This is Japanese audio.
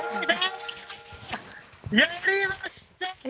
やりました。